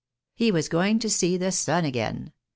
He was going to see the sun again !